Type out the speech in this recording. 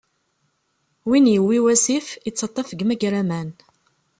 Win yiwwi wasif, ittaṭṭaf deg umagraman.